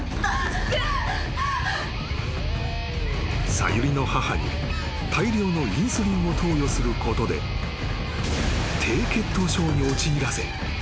［さゆりの母に大量のインスリンを投与することで低血糖症に陥らせ殺そうとしたのだ］